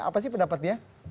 apa sih pendapatnya